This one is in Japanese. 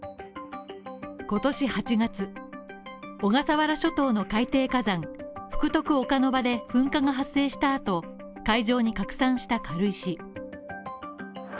今年８月、小笠原諸島の海底火山福徳岡ノ場で噴火が発生した後、海上に拡散した軽石